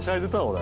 俺。